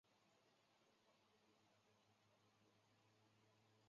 琉球峨螺是一种海螺的物种。